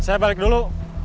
saya balik dulu